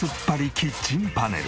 キッチンパネル。